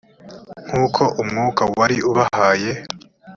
nk uko umwuka wari ubahaye